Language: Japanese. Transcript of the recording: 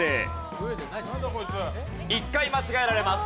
１回間違えられます。